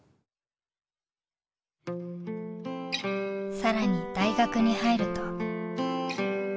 更に大学に入ると。